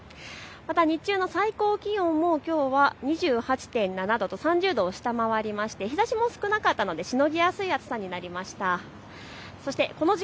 また日中の最高気温もきょうは２８．７度と３０度を下回りまして日ざしも少なかったのでしのぎやすい暑さになりました。